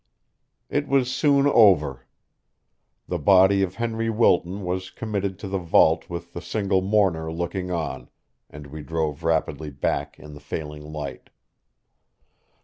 It was soon over. The body of Henry Wilton was committed to the vault with the single mourner looking on, and we drove rapidly back in the failing light.